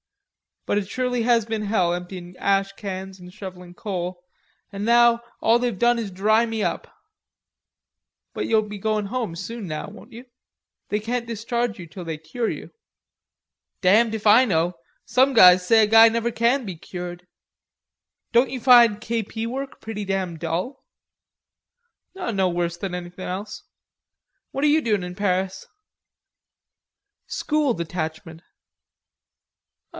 But it surely has been hell emptying ash cans and shovelling coal an' now all they've done is dry me up." "But you'll be goin' home soon now, won't you? They can't discharge you till they cure you." "Damned if I know.... Some guys say a guy never can be cured...." "Don't you find K.P. work pretty damn dull?" "No worse than anything else. What are you doin' in Paris?" "School detachment."